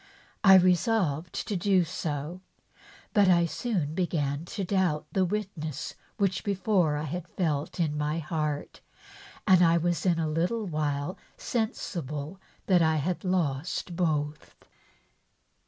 I resolved to do so, but I soon began to doubt the witness which before 1 had felt in my heart, and 1 was in a little while sensible that I had lost both.